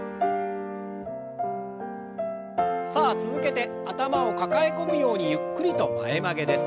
さあ続けて頭を抱え込むようにゆっくりと前曲げです。